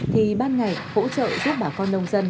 thì ban ngày hỗ trợ giúp bà con nông dân